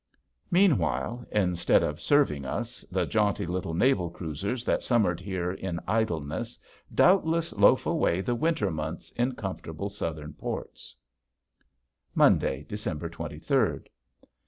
Meanwhile, instead of serving us, the jaunty little naval cruisers that summered here in idleness doubtless loaf away the winter months in comfortable southern ports. [Illustration: CAIN] Monday, December twenty third.